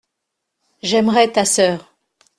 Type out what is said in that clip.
J’aimerais ta sœur.